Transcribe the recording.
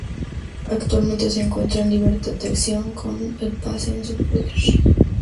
Actualmente se encuentra en libertad de acción, con el pase en su poder.